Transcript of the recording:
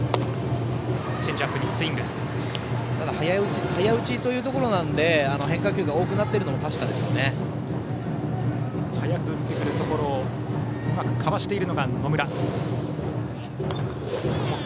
ただ、早打ちというところなので変化球が多くなってるのは確かですね。早く打ってくるところをうまくかわしている野村。